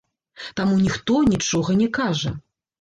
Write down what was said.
Таму ніхто нічога не кажа.